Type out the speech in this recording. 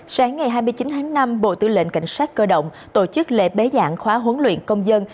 sáng ngày hai mươi chín tháng năm bộ tử lệnh cảnh sát cơ động tổ chức lễ bé dạng khóa huấn luyện công dân